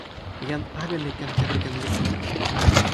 jan ale li ken kepeken lipu ni.